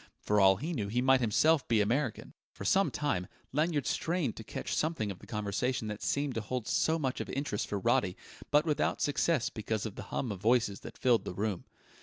For all he knew he might himself be American... For some time Lanyard strained to catch something of the conversation that seemed to hold so much of interest for Roddy, but without success because of the hum of voices that filled the room.